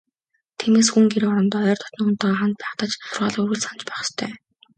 Тиймээс, хүн гэр орондоо ойр дотнынхонтойгоо хамт байхдаа ч сургаалаа үргэлж санаж байх ёстой.